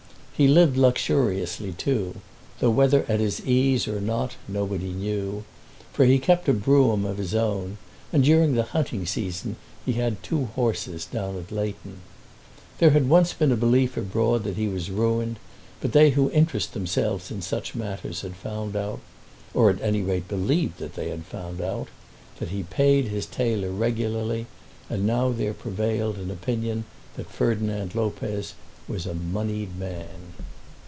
He lived luxuriously too, though whether at his ease or not nobody knew, for he kept a brougham of his own, and during the hunting season he had two horses down at Leighton. There had once been a belief abroad that he was ruined, but they who interest themselves in such matters had found out, or at any rate believed that they had found out, that he paid his tailor regularly: and now there prevailed an opinion that Ferdinand Lopez was a monied man.